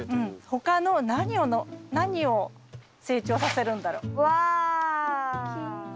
他の何を何を成長させるんだろう？